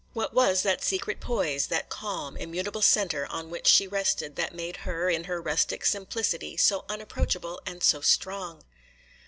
What was that secret poise, that calm, immutable centre on which she rested, that made her, in her rustic simplicity, so unapproachable and so strong?